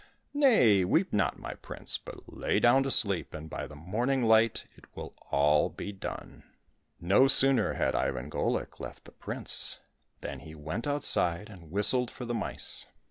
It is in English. " Nay, weep not, my prince, but lie down to sleep, and by the morning light it will all be done !" No sooner had Ivan Golik left the prince than he went outside and whistled for the mice.